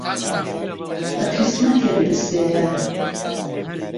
به قیسمهتێم بسپێره